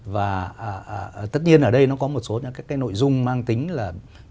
và tất nhiên ở đây nó có một số những các cái nội dung mang tính là